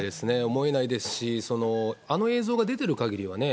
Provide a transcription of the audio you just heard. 思えないですし、あの映像が出ているかぎりはね、